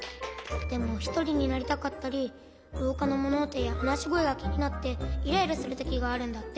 でもひとりになりたかったりろうかのものおとやはなしごえがきになってイライラするときがあるんだって。